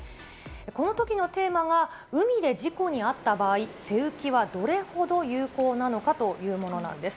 このときのテーマが、海で事故に遭った場合、背浮きはどれほど有効なのかというものなんです。